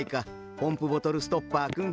ポンプボトルストッパーくん。